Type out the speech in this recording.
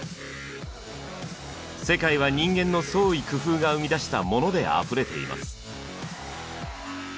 世界は人間の創意工夫が生み出したモノであふれています。